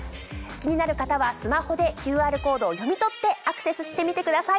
気になる方はスマホでＱＲコードを読み取ってアクセスしてみてください。